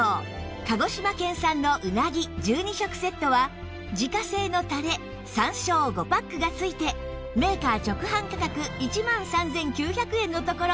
鹿児島県産のうなぎ１２食セットは自家製のたれ山椒５パックが付いてメーカー直販価格１万３９００円のところ